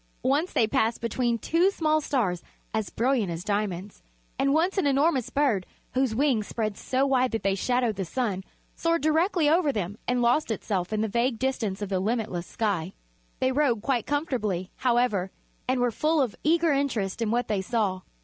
Once they passed between two small stars as brilliant as diamonds, and once an enormous bird, whose wings spread so wide that they shadowed the sun, soared directly over them and lost itself in the vague distance of the limitless sky. They rode quite comfortably, however, and were full of eager interest in what they saw.